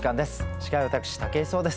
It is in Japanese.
司会は私武井壮です。